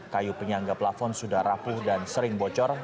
kayu penyangga plafon sudah rapuh dan sering bocor